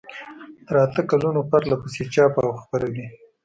تر اته کلونو پرلپسې چاپ او خپروي.